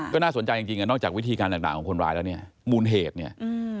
ก็น่าสนใจจริงจริงอ่ะนอกจากวิธีการต่างต่างของคนร้ายแล้วเนี่ยมูลเหตุเนี่ย